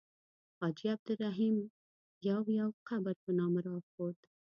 حاجي عبدالرحیم یو یو قبر په نامه راښود.